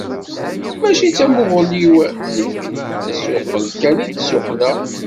Mačči d tamuɣli-w nekk ; d asuqel kan i d-ssuqleɣ!